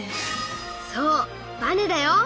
そうバネだよ！